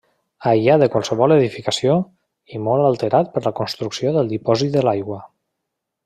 Aïllat de qualsevol edificació i molt alterat per la construcció del dipòsit de l'aigua.